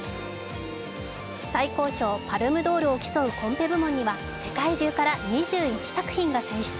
最高賞パルムドールを競うコンペ部門には世界中から２１作品が選出。